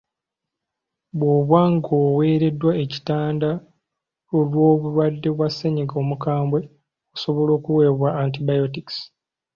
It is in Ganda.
Bw’oba ng’oweereddwa ekitanda olw’obulwadde bwa ssennyiga omukambwe, osobola okuweebwa antibiotics.